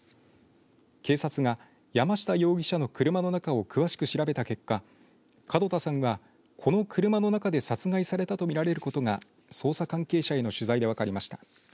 警察が、山下容疑者の車の中を詳しく調べた結果門田さんはこの車の中で殺害されたと見られることが捜査関係者への取材で分かりました。